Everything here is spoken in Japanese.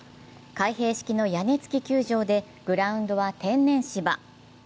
開閉式の屋根付き球場でグラウンドは天然芝。